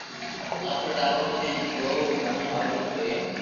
آپري ٽاٻرو ني جوگھڻو ھآرون ھويو